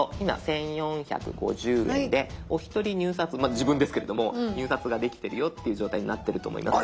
自分ですけれども入札ができてるよっていう状態になってると思います。